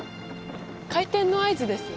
開店の合図です。